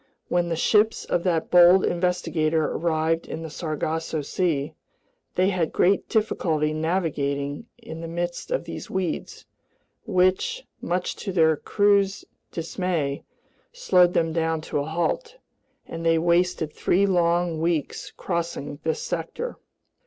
When the ships of that bold investigator arrived in the Sargasso Sea, they had great difficulty navigating in the midst of these weeds, which, much to their crews' dismay, slowed them down to a halt; and they wasted three long weeks crossing this sector.